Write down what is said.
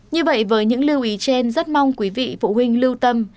như vậy với những lưu ý trên rất mong quý vị phụ huynh lưu tâm